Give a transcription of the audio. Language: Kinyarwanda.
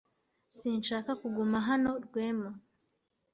Sinshaka kuguma hano, Rwema.